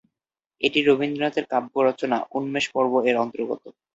এটি রবীন্দ্রনাথের কাব্য রচনার "উন্মেষ পর্ব"-এর অন্তর্গত।